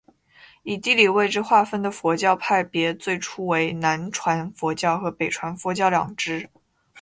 以地理位置划分的佛教派别最初为南传佛教和北传佛教两支。